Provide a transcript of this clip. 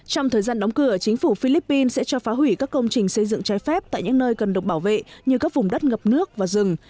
trong thời gian đóng cửa chính phủ philippines sẽ cho phá hủy các công trình xây dựng trái phép tại những nơi cần được bảo vệ như các vùng đất ngập nước và rừng